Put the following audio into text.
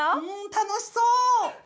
楽しそう！